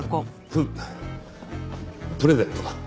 ププレゼントだ。